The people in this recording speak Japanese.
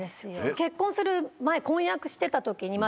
結婚する前婚約してた時にまだ。